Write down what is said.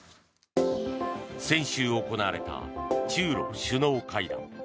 先週行われた中ロ首脳会談。